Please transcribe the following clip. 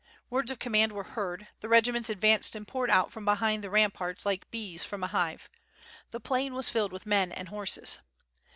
Words of command were heard, the .regiments advanced and poured out from behind the ram* parts like bees from a hive. The plain was filled with men and horses.